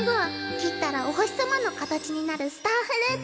切ったらお星様の形になるスターフルーツ。